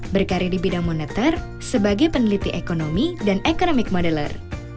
berkarya di bidang monitor sebagai peneliti ekonomi dan economic modeler